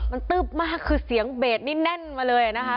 มันตึ๊บมากคือเสียงเบสนี่แน่นมาเลยนะคะ